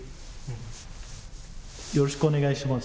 よろしくお願いします。